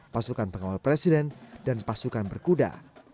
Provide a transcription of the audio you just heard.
pasukan pengawal presiden dan pasukan berkuda